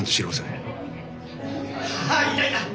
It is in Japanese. あいたいた。